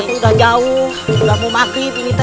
udah jauh udah mau mati